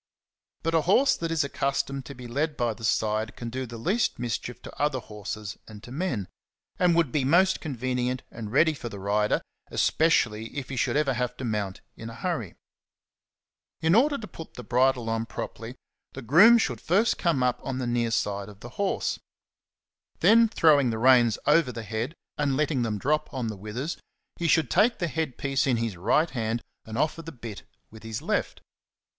But a horse that is accustomed to be led by the side can do the least mischief to other horses and to men, and would be most convenient and ready for the rider, especially if he should ever have to mount in a hurry. In order to put the bridle on properly, the groom should first come up on the near 3' side of the horse ; then, throwing the reins over 36 XENOPHON ON HORSEMANSHIP. the head and letting them drop on the withers, he should take the head piece ^^ in his right hand and offer the bit with his left.